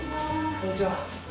こんにちは。